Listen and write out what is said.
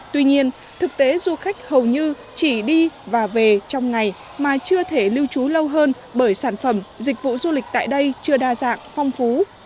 tuy nhiên thực tế du khách hầu như chỉ đi và về trong ngày mà chưa thể lưu trú lâu hơn bởi sản phẩm dịch vụ du lịch tại đây chưa đa dạng phong phú